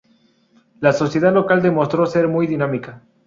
La sociedad local demostró ser muy dinámica.